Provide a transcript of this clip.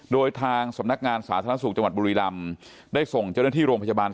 โดยทางสำนักงานสาธารณสุขจังหวัดบุรีรำได้ส่งเจ้าหน้าที่โรงพยาบาล